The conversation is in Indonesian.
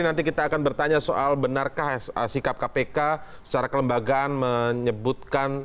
nanti kita akan bertanya soal benarkah sikap kpk secara kelembagaan menyebutkan